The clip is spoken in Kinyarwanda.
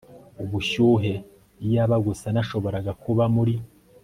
ubushyuhe iyaba gusa nashoboraga kuba muri